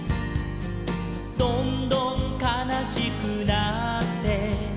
「どんどんかなしくなって」